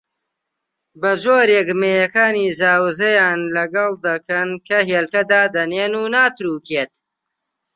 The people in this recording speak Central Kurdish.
بەجۆرێک مێیەکانی زاوزێیان لەگەڵ دەکەن کە هێلکە دادەنێن و ناتروکێت